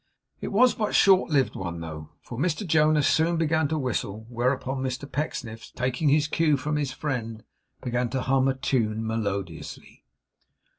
It was but a short lived one, though, for Mr Jonas soon began to whistle, whereupon Mr Pecksniff, taking his cue from his friend, began to hum a tune melodiously.